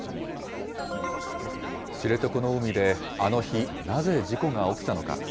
知床の海であの日、なぜ事故が起きたのか。